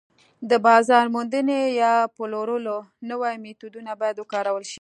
د بازار موندنې یا پلورلو نوي میتودونه باید وکارول شي